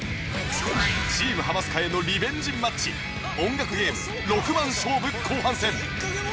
チームハマスカへのリベンジマッチ音楽ゲーム六番勝負後半戦